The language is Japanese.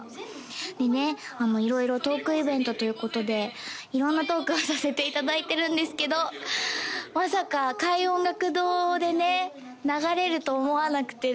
でね色々トークイベントということで色んなトークをさせていただいてるんですけどまさか開運音楽堂でね流れると思わなくてね